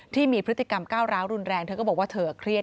ที่มีพฤติกรรมก้าวร้าวรุนแรงเธอก็บอกว่าเธอเครียด